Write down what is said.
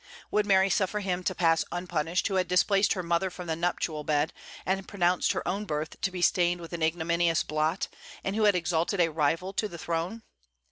Would Mary suffer him to pass unpunished who had displaced her mother from the nuptial bed, and pronounced her own birth to be stained with an ignominious blot, and who had exalted a rival to the throne?